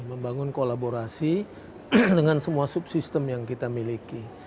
membangun kolaborasi dengan semua subsistem yang kita miliki